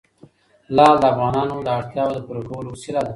لعل د افغانانو د اړتیاوو د پوره کولو وسیله ده.